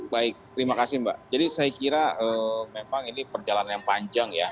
baik terima kasih mbak jadi saya kira memang ini perjalanan yang panjang ya